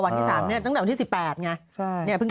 มันก็หมดนิยายอันอัน